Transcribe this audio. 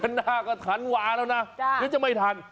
เดือนหน้าก็ธานวาลโลกแล้วนะจ้านี่จะไม่ทัน